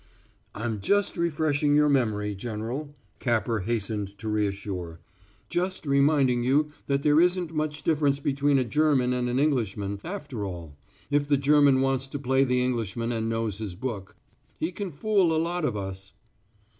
"I'm just refreshing your memory, General," Capper hastened to reassure. "Just reminding you that there isn't much difference between a German and an Englishman, after all if the German wants to play the Englishman and knows his book. He can fool a lot of us."